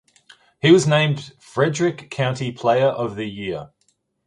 He was named Frederick County Player of the Year.